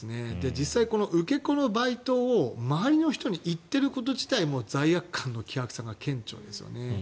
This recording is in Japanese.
実際、受け子のバイトを周りの人に言っていること自体罪悪感の希薄さが顕著ですよね。